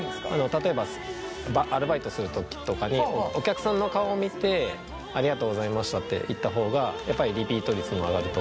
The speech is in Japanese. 例えばアルバイトする時とかにお客さんの顔を見てありがとうございましたって言った方がやっぱりリピート率も上がると。